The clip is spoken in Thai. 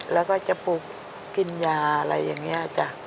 แล้วก็จะปลูกกินยาอะไรอย่างนี้จ้ะ